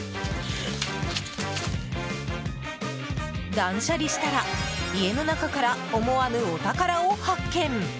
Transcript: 断捨離したら家の中から思わぬお宝を発見。